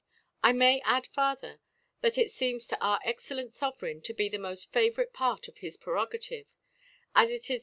I may add farther, that it feems to our excellent Sovereign to be the moft favourite Part of his Prerogative, as it is the * Dec.